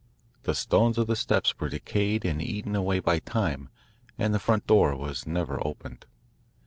The stones of the steps were decayed and eaten away by time, and the front door was never opened.